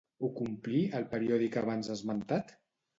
Ho complí, el periòdic abans esmentat?